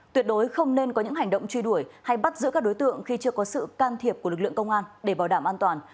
tuyệt đối không nên có những hành động truy đuổi hay bắt giữ các đối tượng khi chưa có sự can thiệp của lực lượng công an để bảo đảm an toàn